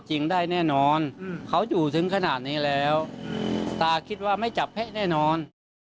จริงได้แน่นอนเขาอยู่ถึงขนาดนี้แล้วตาคิดว่าไม่จับแพะแน่นอน